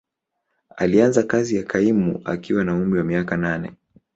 Alianza kazi ya kaimu akiwa na umri wa miaka nane.